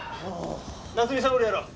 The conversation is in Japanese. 夏海さんおるやろ？